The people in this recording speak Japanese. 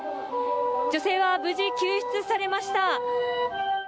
女性は無事、救出されました。